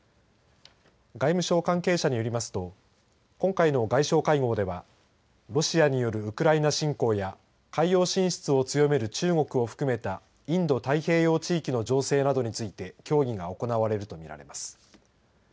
外務省関係者によりますと今回の外相会合ではロシアによるウクライナ侵攻や海洋進出を強める中国を含めたインド太平洋地域の情勢などについて協議が行われると見られます。